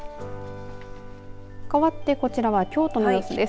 かわってこちらが京都の様子です。